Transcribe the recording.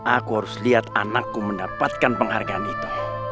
aku harus lihat anakku mendapatkan penghargaan itu